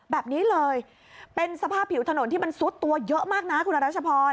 แบบนี้เลยเป็นสภาพผิวถนนที่มันซุดตัวเยอะมากนะคุณรัชพร